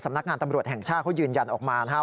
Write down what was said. นักงานตำรวจแห่งชาติเขายืนยันออกมานะครับ